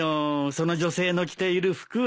その女性の着ている服を。